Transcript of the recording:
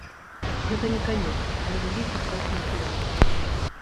Гэта не канец, але вялікі крок наперад.